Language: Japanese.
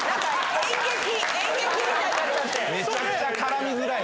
めちゃめちゃ絡みづらい。